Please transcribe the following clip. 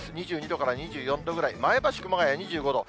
２２度から２４度ぐらい、前橋、熊谷２５度。